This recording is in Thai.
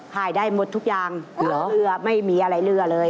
ขายได้หมดทุกอย่างเผื่อไม่มีอะไรเรื่องเลย